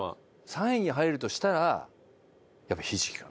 ３位に入るとしたらやっぱりひじきかな。